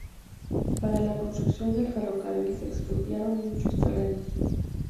Para la construcción del ferrocarril se expropiaron muchos terrenos.